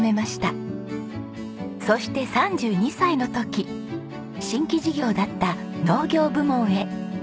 そして３２歳の時新規事業だった農業部門へ。